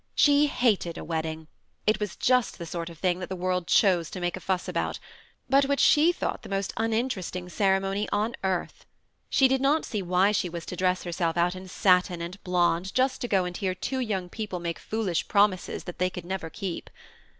She hated a wedding : it was just the sort of thing that the world chose to make a fuss about, but which she thought the most uninteresting ceremony on earth. She did not see why she was to dress herself out in satin and blonde just to go and hear two young people make fool ish promises that they never could keep.